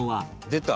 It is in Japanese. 「出た！」